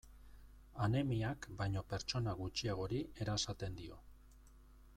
Anemiak baino pertsona gutxiagori erasaten dio.